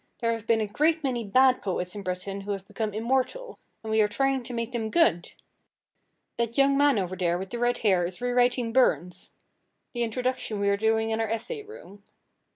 There have been a great many bad poets in Britain who have become immortal, and we are trying to make them good. That young man over there with red hair is rewriting Burns the introduction we are doing in our essay room.